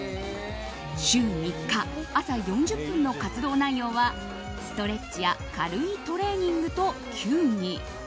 週３日、朝４０分の活動内容はストレッチや軽いトレーニングと球技。